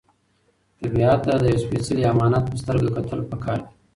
طبیعت ته د یو سپېڅلي امانت په سترګه کتل پکار دي.